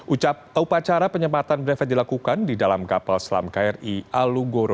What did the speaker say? ucap upacara penyempatan brevet dilakukan di dalam kapal selam kri alugoro empat ratus lima